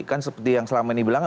kan seperti yang selama ini bilang